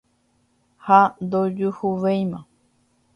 Ha ndojuhuvéima.